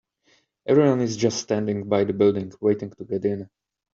Everyone is just standing by the building, waiting to get in.